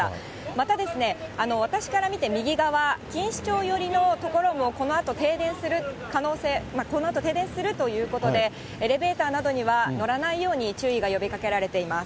また私から見て右側、錦糸町寄りの所も、このあと停電する可能性、このあと停電するということで、エレベーターなどには乗らないように注意が呼びかけられています。